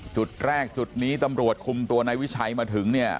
จุดแรกจุดนี้ตำรวจคุมตัวนายวิชัยมาถึงเนี่ย